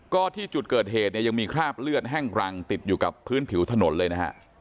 ก็ที่จุดเกิดเหตุเนี่ยยังมีคราบเลือดแห้งรังติดอยู่กับพื้นผิวถนนเลยนะฮะ